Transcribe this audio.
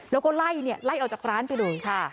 แล้วก็ไล่เนี่ยไล่ออกจากร้านไปเลยค่ะ